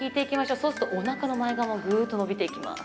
そうするとおなかの前側、ぐーっと伸びていきます。